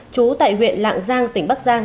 chú tại huyện lạng giang tỉnh bắc giang